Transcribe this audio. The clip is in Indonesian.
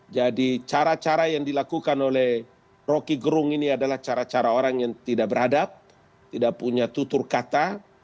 jadi cara cara yang dilakukan oleh rocky gerung ini adalah cara cara orang yang tidak beradab tidak punya tutur kata